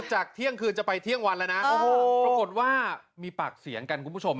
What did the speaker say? เที่ยงคืนจะไปเที่ยงวันแล้วนะปรากฏว่ามีปากเสียงกันคุณผู้ชม